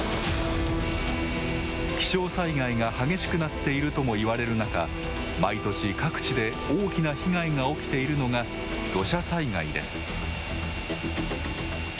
気象災害が激しくなっているともいわれる中、毎年、各地で大きな被害が起きているのが土砂災害です。